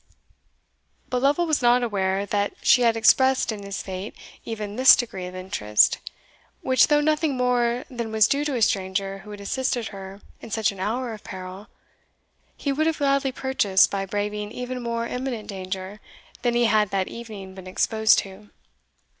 But Lovel was not aware that she had expressed in his fate even this degree of interest, which, though nothing more than was due to a stranger who had assisted her in such an hour of peril, he would have gladly purchased by braving even more imminent danger than he had that evening been exposed to.